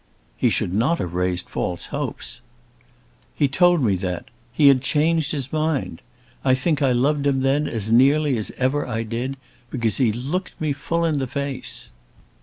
"He should not have raised false hopes." "He told me that he had changed his mind. I think I loved him then as nearly as ever I did, because he looked me full in the face.